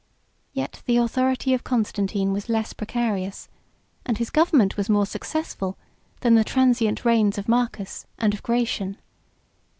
96 Yet the authority of Constantine was less precarious, and his government was more successful, than the transient reigns of Marcus and of Gratian.